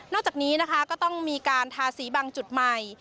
จากนี้นะคะก็ต้องมีการทาสีบางจุดใหม่